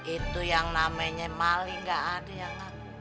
itu yang namanya maling gak ada yang ngaku